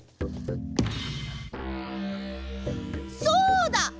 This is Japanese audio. そうだ！